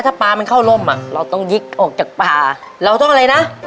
ถ้าปลามันเข้าร่มอ่ะเราต้องยิกออกจากป่าเราต้องอะไรนะ